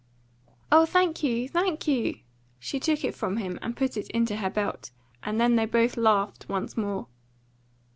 "Oh, thank you, thank you!" She took it from him and put it into her belt, and then they both laughed once more.